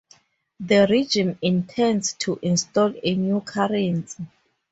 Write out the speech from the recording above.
The regime intends to install a new currency.